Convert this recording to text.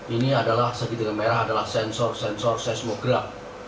ini adalah segitiga merah adalah sensor sensor seismograf